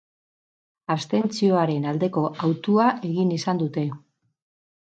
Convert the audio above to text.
Abstentzioaren aldeko hautua egin izan dute.